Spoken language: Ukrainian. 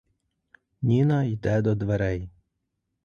Ніна йде до дверей.